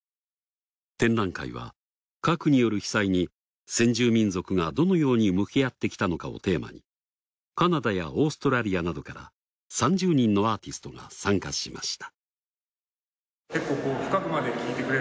展覧会は核による被災に先住民族がどのように向き合ってきたのかをテーマにカナダやオーストラリアなどから３０人のアーティストが参加しました。